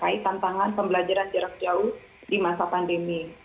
ini adalah tantangan pembelajaran jarak jauh di masa pandemi